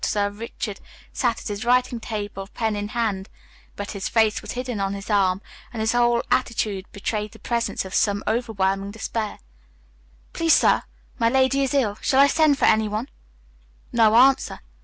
Sir Richard sat at his writing table pen in hand, but his face was hidden on his arm, and his whole attitude betrayed the presence of some overwhelming despair. "Please, sir, my lady is ill. Shall I send for anyone?" No answer.